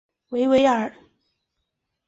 维维尔。